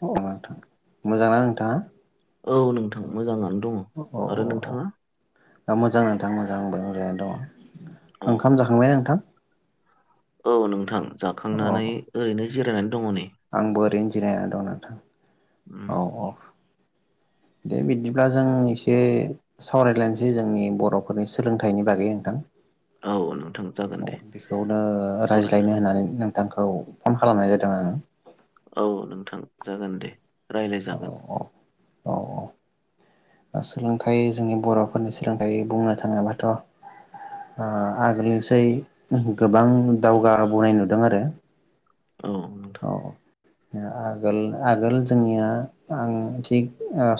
अ नोंथां मोजांना नोंथाङा औ नोंथां मोजाङानो दङ औ औ औ आरो नोंथाङा [unintelligible] मोजां नोंथां मोजां दङ अ ओंखाम जाखांबाय नोंथां औ नोंथां जाखांनानै अ ओरैनो जिरायनानै दङ नै आंबो ओरैनो जिरायना दं नोंथां उम औ औ दे बिदिब्ला जों एसे सावरायलायनोसै जोंनि बर'फोरनि सोलोंथाइनि बागै नोंथां औ जागोन औ दे बेखौनो सावरायनो रायज्लायनो हागोन होननानै नोंथांखौ औ फन खालामनाय जादों आङो औ नोंथां जागोन दे औ रायलायजागोन औ सोलोंथाइ जोंनि बर'फोरनि सोलोंथाइ बुंनो थाङोबाथ' आगोलनिसै गोबां दावगाबोनाय नुदों आरो औ नोंथां औ औ आगोल आगोल जोंनिया आं थिग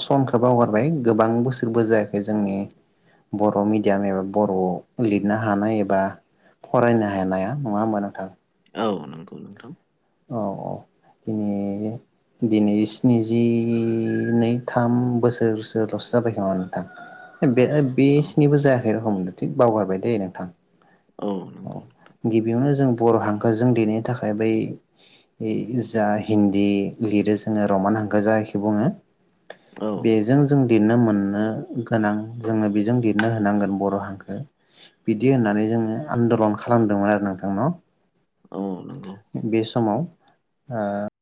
सनखौ बावगारबाय गोबां बोसोरबो जायाखै जोंनि बर' मिडियाम एबा बर'आव लिरनो हानाय एबा फरायनो हानाया नङा होमबा नोंथां औ नंगौ नोंथां औ औ दिनै दिनै स्निजिनै थाम बोसोरसोल'सो जाबाय नोमा नोंथां [unintelligible] औ बेसिनिबो जायाखै आरो हमदों थिग बावगारबाय दे नोंथां औ गिबियावनो जों बर' हांखोजों लिरनो थाखाय बे जा हिन्दी लिरो जोङो रमान हांखो जखि बुङो औ बेजों जों लिरनो मोन नो गोनां जोङो बेजों लिरनो होनांगोन बर' हांखो बिदि होननानै जोङो आन्दालन खालामदोंमोन आरो नोंथां न औ नंगौ बे समाव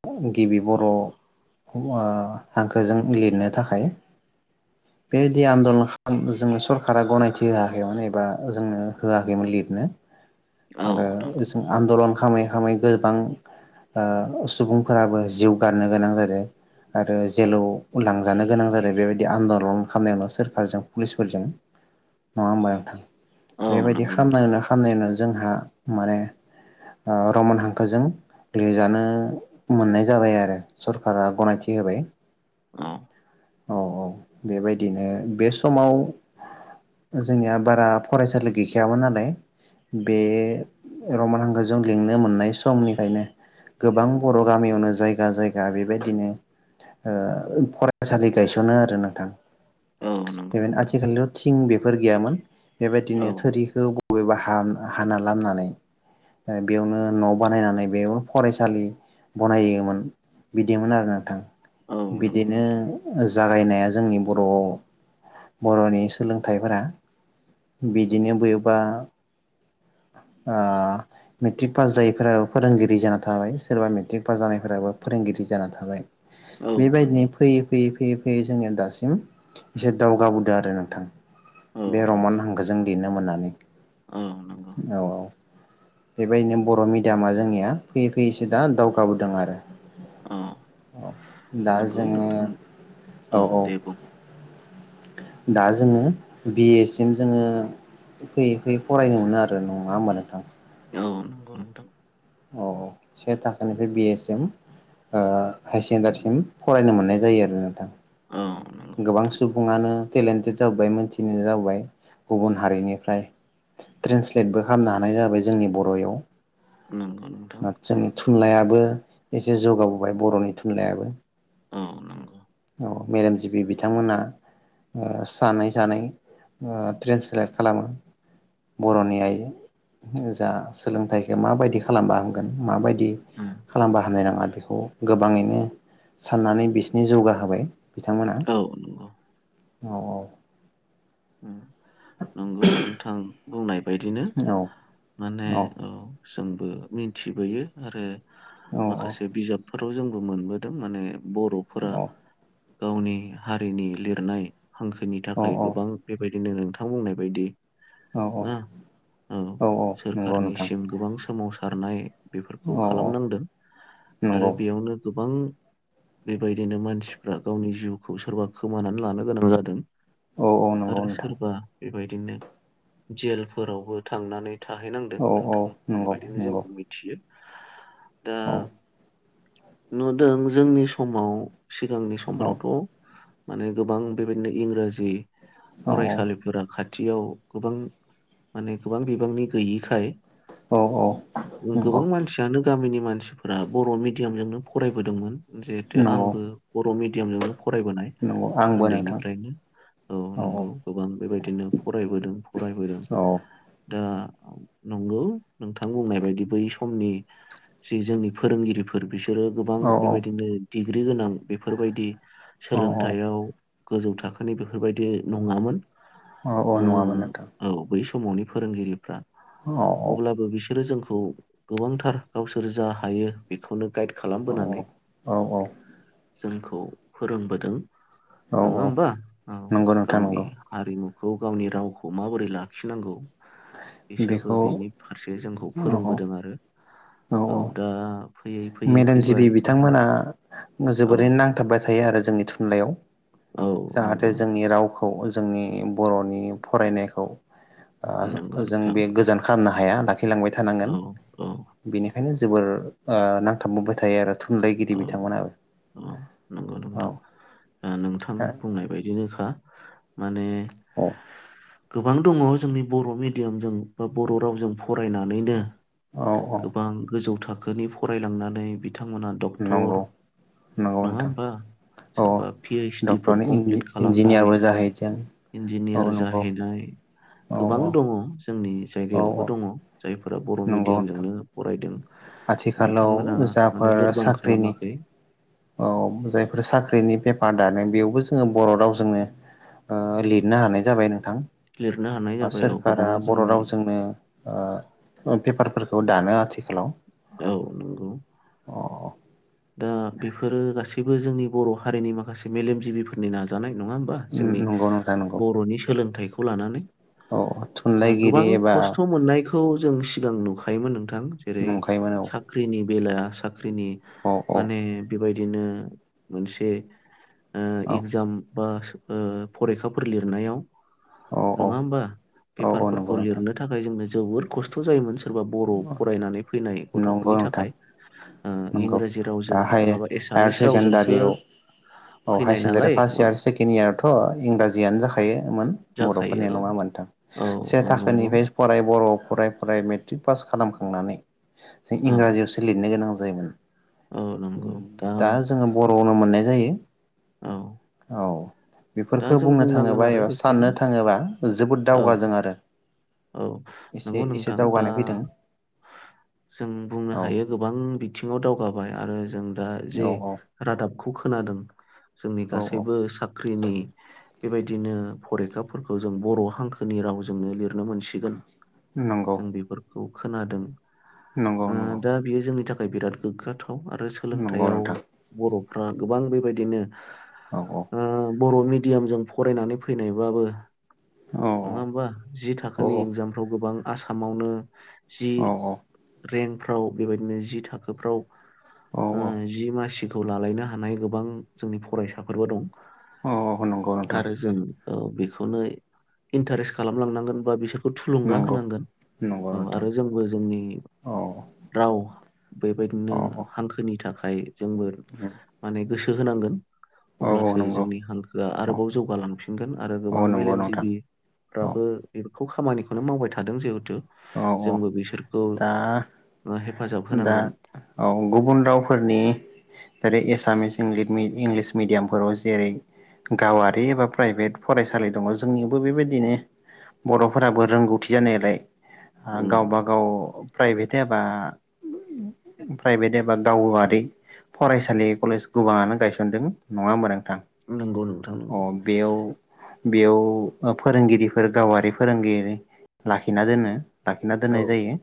ओ गिबि बर' ओ हांखोजों लिरनो थाखाय बेबायदि आन्दलन जोंनो सरकारा गनायथि होआखैमोन एबा जोंनो होआखैमोन लिर नो औ आरो नंगौ जों आन्दलन खामै खामै गोबां ओ सुबुंफोराबो जिउ गारनो गोनां जादों आरो जेलाव लांजानो गोनां जादो बेबायदि आन्दालन खालामनायावनो सोरखारजों पुलिसफोरजों नङा होमबा नोंथां औ बेबायदि नंगौ नोंथां खामनायावनो जोंहा माने ओ रमान हांखोजों लिरजानो मोननाय जाबाय आरो सरखारा गनायथि होबाय औ औ औ बेबायदिनो बे समाव जोंनिया बारा फरायसालि गैखायामोन नालाय बे रमान हांखोजों लिंनो मोननाय समनिफ्रायायनो गोबां बर' गामियावनो जायगा जायगा बेबायदिनो ओ फरायसालि गायसनो आरो नोंथां औ नंगौ बेबायनो नोंथां आथिखालनिर' थिं बेफोर गैयामोन औ बेबायदिनो थोरिखौ बबेबा हा हाना लामनानै बेयावनो न' बानायनानै बेयावनो फरायसालि बनायोमोन बिदिमोन आरो नोंथां औ नंगौ बिदिनो नोंथां जागायनाया जोंनि बर'आव बर'नि सोलोंथाइफोरा बिदिनो बबेबा ओ मेट्रिक पास जायैफोराबो फोरोंगिरि जाना थाबाय सोरबा मेट्रिक पास जानायफोराबो फोरोंगिरि जाना थाबाय औ बेबायदिनो नंगौ फैयै फैयै फैयै यै जोंनिया दासिम एसे दावगाबोदों आरो नोंथां औ बे नंगौ रमान हांखोजों लिरनो मोननानै औ नंगौ औ औ बेबायदिनो बर' मिडियामा जोंनिया फैयै फैयैसो दा दावगाबोदों आरो औ औ दा नंगौ जोङो नोंथां औ दे बुं दा जोङो बि ए सिम जोङो फैयै फैयै फरायनो मोनो आरो नङा होमबा नोंथां औ नंगौ नोंथां औ औ से थाखोनिफ्राय बि ए सिम हायार सेकेण्डारिसिम फरायनो मोननाय जायो आरो नोंथां औ नंगौ गोबां नोंथां सुबुङानो टेलेन्टेड जाबोबाय मोनथिनाय जाबोबाय गुबुन हारिनिफ्राय ट्रेन्सलेटबो खालामनो हानाय जाबाय जोंनि बर'इओव नंगौ नोंथां जोंनि थुनलायाबो एसे जौगाबोबाय बर'नि थुनलायाबो औ नंगौ औ मेलेमजिबि बिथांमोना ओ सानै सानै ट्रेन्सलेट खालामो बर'नि आइ जा सोलोंथाइखौ माबायदि खालामबा होगोन मा बायदि बिदि उम खालामबा हामनाय नङा बि खौ गोबाङैनो साननानै बिसोरनि जौगा होबाय औ नंगौ औ औ उम नंगौ नोंथां बुंनाय बायदिनो औ माने औ जोंबो मिन्थिबोयो आरो औ माखासे बिजाबफोर थ' जोंबो मोनबोदों माने बर'फोरा औ गावनि हारिनि लिरनाय हांखोनि थाखाय गोबां बिदिनो नोंथां बुंनाय बायदि औ ना औ सोरखारनिसिम गोबां सोमावसा खारनाय बेफोरखौ औ औ खालामनांदों नंगौ आरो बेयावनो गोबां बेबायदिनो मानसिफ्रा गावनि जिउखौ सोरबा खोमानानै लानो गोनां जादों। औ औ नंगौ आरो नोंथां सोरबा बेबायदिनो जेलफोरावबो थांनानै थाहैनांदों औ औ नोंथां होननाय नंगौ बायदिनो जों नंगौ मिथियो। दा औ नुदों जोंनि समाव सिगांनि औ समफ्रावथ' माने गोबां बेबायदिनो इंराजि औ फरायसालिफोरा खाथ थियाव गोबां माने गोबां बिबांनि गैयिखाय औ औ गो नंगौ गोबां मानसियानो गामिनि मानसिफोरा बर' मिडियामजोंनो फरायबोदोंमोन। जिहेतु नंगौ आंबो बर' मिड दियामजोंनो फरायबोनाय नंगौ आंबो नोंथां उन्दैनिफ्रायनो औ नंगौ। गोबां बेबायदिनो फरायबोदों फरायबोदों औ दा नंगौ नोंथां बुंनाय बायदि बै समनि जि जोंनि फोरोंगिरिफोर बिस सोरो गोबां औ बेबायदिनो डिग्रि गोनां बेफोरबायदि औ औ सोलोंथायाव गोजौ थाखोनि बेफोरबायदि न' नङामोन अ अ नङामोन नोंथां। मावनि फोरोंगिरिफ्रा औ अब्लाबो बिस बिसोरो जोंखौ गोबांथार गावसोर जा हायो बेखौनो गाइड खालामबोनानै औ औ जोंखौ फोरोंबोदों। औ नङा औ होमबा? औ। नंगौ नोंथां गावनि नंगौ हारि नुखौ गावनि रावखौ माबोरै लाखिनांगौ इसोरबो बेखौ औ बेनि फारसे जोंखौ औ फोरोंबोदों आरो औ दा फैयै फैयै मेलेमजिबि फैबाय जोंहा बिथांमोना औ जोबोरैनो नांथाबबाय थायो आरो। जोंनि थुनलाइयाव औ जाहाथे नंगौ जोंनि रावखौ औ जोंनि बर'नि फरायनायखौ ओ नंगौ जों जों नोंथां बे गोजान खाना हाया थैलांबाय थानांगोन औ औ बेनिखायनो जोबोर ओ नांथाबबोबाय थायो आरो थुनलाइगिरि औ बिथांमोनाबो औ नंगौ औ नोंथां नोंथां बुंनाय बायदिनोखा। माने औ गोबां दङ जोंनि बर' मिडियामजों बा बर' रावजों फरायनानैनो औ गोबां गोजौ थाखो थाखोनि फरायलांनानै बिथांमोना दं डक्टर नंगौ नंगौ नङा नोंथां होमबा? औ सोरबा पि एस डि फोर डक्टरनि कमप्लिट खालामनाय इन्जिनियारबो जाहैदों औ इन्जिनियार नंगौ जाहैनाय औ गोबां दङ जोंनि औ जायगायावबो औ दङ। जायफोरा बर' नंगौ नोंथां मिडियामजोंनो फरायदों आथिखालाव बिथांमोना माने जाफोर लोरबां साख खालामाखै औ जायफोरा साख्रिनि पेपार दानो बेयावबो जोङो बर' रावजोंनो ओ लिरनो हानाय जाबाय नोंथां। लिरनो हानाय ओ जाबाय औ सोरखारा गोबां बर' जोंनि रावजोंनो ओ पेपारफोर औ दानो आथि औ नंगौ। अ दा बेफोरो गासैबो जोंनि बर' हारिनि माखासे मेलेमजिबिफोरनि नाजानाय। नङा होमबा जोंनि नंगौ नोंथां नंगौ बर'नि सोलोंथाइखौ खौ लानानै औ थुनलाइगिरि गोबां एबा खस्थ' मोननायखौ जों सिगां नुखा थायोमोन थां जेरै नंखायोमोन औ साख्रिनि बेलाया साख ख्रिनि औ माने बेबाय बिदिनो मोनसे औ एगजाम बा फरिखाफोर लिरनायाव औ नङा होमबा औ औ पेपारफोरखौ नंगौ नोंथां लिरनो थाखाय जोंनो जोबोर खस्थ' जायोमोन। सोरबा बर' फरायनानै फैनाय नंगौ गथ'फोरनि नोंथां थाखाय ओ नंगौ इंराजि रावजों दा हाय नङाबा हायार एसामिस रावजोंसो सेकेण्डारियाव औ हायार फैनाय सेकेण्डारि नालाय फार्स्ट औ, इयार सेकेणड इयारथ' इंराजियानो जाखायोमोन जाखायो बर'फोरनिया नङा होनबा नोंथांम औ से औ नंगौ थाखोनिफ्राय फराय बर' फराय फराय मेट्रिक पास खालामखांनानै औ इंराजिआवसो लिरनो गोनां जायोमोन। औ नंगौ दा जोङो बर'आवनो मोननाय जायो। औ औ। दा बेफोरखौ जों बुंनो बुंनांगोन थाङोबा आरो एबा साननो बेखायनो थाङोबा जोबोद औ दावगादों आरो औ एसे नंगौ एसे नोंथां दा दावगानाय फैदों जों बुंनो औ हायो गोबां बि बिथिंङाव दावगाबाय आरो जों दा जे औ औ रादाबखौ खोनादों। जोंनि औ औ गासैबो साख ख्रिनि बेबायदिनो फरिखाफोरखौ जों बर' हांखोनि रावजोंनो लिरनो मोनसिगोन। नंगौ जों बिफोर खौ खोनादों। नंगौ ओ नंगौ दा बेयो जोंनि थाख बिराद गोगाथ' आरो नंगौ सोलोंथायाव नोंथां बर' फ्रा गोबां बेबायदिनो औ ओ औ बर' मिद मिडियामजों फरायनानै फैनायबाबो औ नङा होमबा जि औ थाखोनि एगजामफ्राव गोबां आसामावनो जि औ रेंक फ्राव बेबायदिनो जि थाखोफ्राव औ ओ जि मासि खौ लालायनो हानाय गोबां जोंनि फरायसाफोरबो दं। औ औ नंगौ नोंथां। औ बेखौनो इन्टारेस्ट खालामलांनांगोन बा बिसोर खौ थुलुंगा नंगौ होनांगोन नंगौ औ नोंथां आरो जोंबो जोंनि औ राव बेबायदिनो औ हांखोनि थाख [unintelligible] जोंबो उम माने गोसो होनांगोन। औ अब्लासो नंगौ जोंनि हां ओ औ आरोबाव जौगालांफिनगोन आरो गोबां औ नंगौ नोंथां मेलेमजिबि औ फ्राबो खौ खामानिखौनो मावबाय थादों जिहेथु। औ औ जोंबो बिसोरखौ दा ओ हे दा औ गुबुन रावफोरनि जेरै एस सामिस इंलिद इंलिस मिडियामफोराव जेरै गावारि एबा प्राइभेट फरायसालि दङ जोंनियावबो बेबायदिनो बर'फोराबो रोंगौथि जानायालाय आ उम गावबा गाव प्राइभेट एबा प्राइभेट एबा गावआरि फरायसालि कलेज गोबाङानो गायसनदों नङा होनबा नोंथां? नोंगौ। अ बेयाव बेयाव ओ फोरोंगिरिफोर गावारि फोरोंगिरि लाखिना दोनो। लाखिना औ दोननाय जायो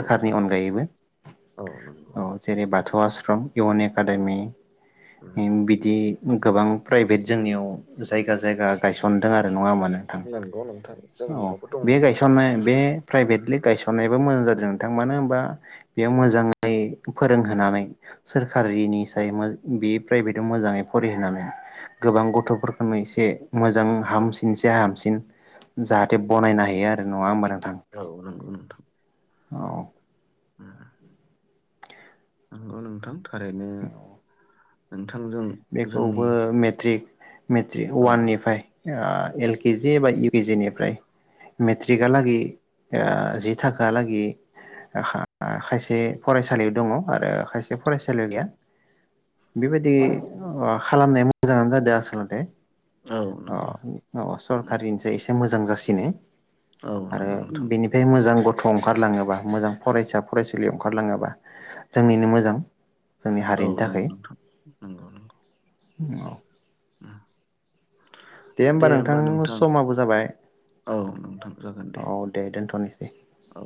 औ नंगौ अनगायैबो औ नंगौ औ जेरै बाथौ आश्रम इउ एन एकाडेमि उम [unintelligible] बिदि गोबां प्राइभेट जोंनियाव जायगा जायगा गायसनदों आरो नङा नंगौ नोंथां नो औ जोंनियावबो दङ बे गायसनाय बे प्राइभेट गायसननायाबो मोजां जादों नोंथां मानो होनबा बेयाव मोजाङै फोरोंहोनानै सोरखारिनि साय बे प्राइभेटाव मोजाङै फरायहोनानै गोबां गथ'फोरखौनो एसे मोजां हामसिन हामसिन जाहाथे बनायनो हायो आरो नङा होमबानो औ नंगौ नोंथां औ ओम नंगौ नोंथां थारैनो नोंथांजों जोंनि बेखौबो मेट्रिक मेट्रिक औ अवाननिफ्राय ओ एल के जि एबा इउ के जि निफ्राय मेट्रिकहालागै ओ जि थाखा लागै अ खालामनाया मोजाङानो जादों आसलथे औ अ नंगौ अ उम सरखारनिफ्राय मोजां जासिनो औ आरो नंगौ नोंथां बिनिफ्राय मोजां गथ' गथ' ओंखारलाङोबा मोजां फरायसा फरायसुलियाव ओंखारलाङोबा जोंनिनो मोजां जोंनि औ हारिनि नंगौ थाखाय नोंथां नंगौं नंगौ औ उम। दे होमबा नोंथां समाबो जाबाय औ नोंथां जागोन औ दे दोनथ'नोसै औ